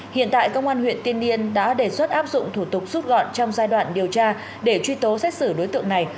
hiện tại công an huyện tiên yên đã đề xuất áp dụng thủ tục rút gọn trong giai đoạn điều tra để truy tố xét xử đối tượng này